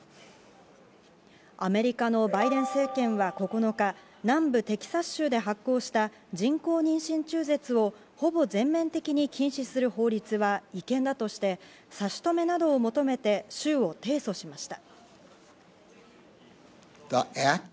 アメリカのバイデン政権は９日、南部テキサス州で発効した人工妊娠中絶をほぼ全面的に禁止する法律は違憲だとして、差し止めなどを求めて州を提訴しました。